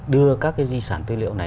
đưa các cái di sản thư liệu